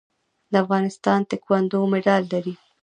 د افغانستان تکواندو مډال لري